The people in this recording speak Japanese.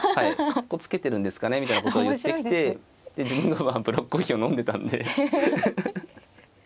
かっこつけてるんですかねみたいなことを言ってきて自分はブラックコーヒーを飲んでたんで。